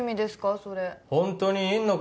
それホントにいんのか？